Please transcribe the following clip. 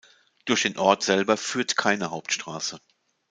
Durch den Ort selber führt keine Hauptstraße.